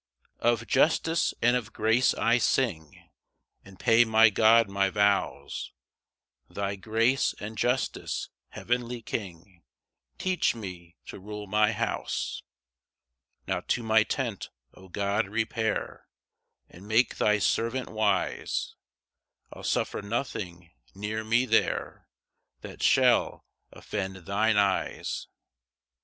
1 Of justice and of grace I sing, And pay my God my vows; Thy grace and justice, heavenly King, Teach me to rule my house. 2 Now to my tent, O God, repair, And make thy servant wise; I'll suffer nothing near me there That shall offend thine eyes.